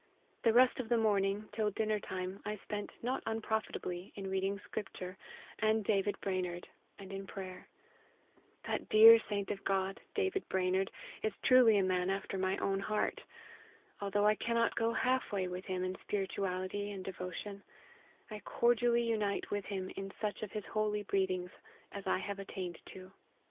The rest of the morning, till dinner time, I spent, not unprofitably, in reading scripture, and David Brainerd, and in prayer. That dear saint of God, David Brainerd, is truly a man after my own heart. Although I cannot go half way with him in spirituality and devotion, I cordially unite with him in such of his holy breathings as I have attained unto.